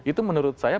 itu menurut saya